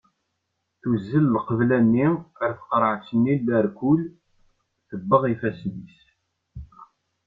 Tuzzel lqebla-nni ar tqarɛet-nni n larkul tebbeɣ ifassen-is.